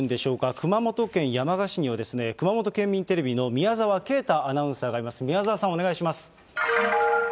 熊本県山鹿市には、熊本県民テレビの宮澤奎太アナウンサーがいます。